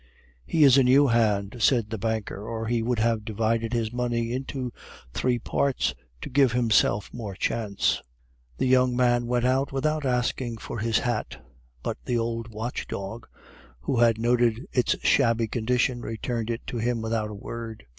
"He is a new hand," said the banker, "or he would have divided his money into three parts to give himself more chance." The young man went out without asking for his hat; but the old watch dog, who had noted its shabby condition, returned it to him without a word.